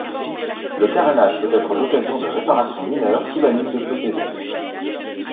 Le carénage peut être l'occasion de réparations mineures sous la ligne de flottaison.